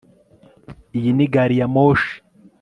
Iyi ni gariyamoshi